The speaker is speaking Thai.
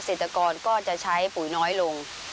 เกษตรกรก็จะใช้ปุ่นน้อยลง